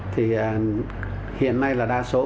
thì hiện nay là đa số